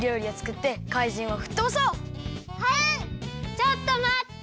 ちょっとまって！